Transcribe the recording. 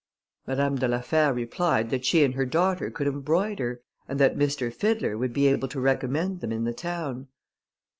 Madame de la Fère replied, that she and her daughter could embroider, and that M. Fiddler would be able to recommend them in the town.